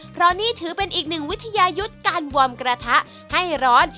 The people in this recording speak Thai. เพราะนี่ถือเป็นอีกหนึ่งวิทยายุทธ์การวอร์มกระทะให้ร้อน